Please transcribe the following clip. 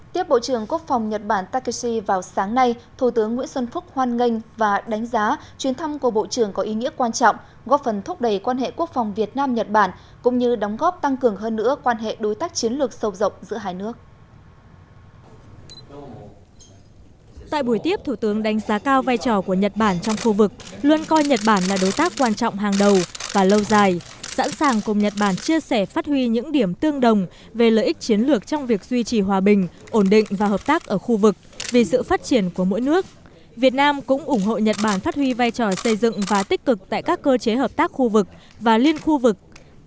tiếp bộ trưởng quốc phòng nhật bản takeshi vào sáng nay thủ tướng nguyễn xuân phúc hoan nghênh và đánh giá chuyến thăm của bộ trưởng có ý nghĩa quan trọng góp phần thúc đẩy quan hệ quốc phòng việt nam nhật bản cũng như đóng góp tăng cường hơn nữa quan hệ đối tác chiến lược sâu rộng giữa hai nước